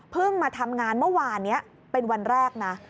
เพิ่งมาทำงานเมื่อวานเป็นวันแรกนะ